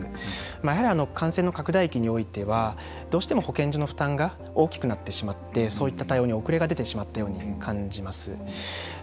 やはり感染の拡大期においてはどうしても保健所の負担が大きくなってしまってそういった対応に遅れが出てしまったように感じます。